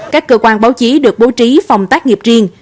các cơ quan báo chí được bố trí phòng tác nghiệp riêng